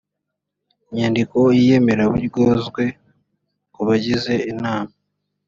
inyandiko y iyemeraburyozwe ku bagize inama